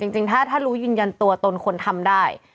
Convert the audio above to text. จริงถ้ารู้ยืนยันตัวตนควรทำได้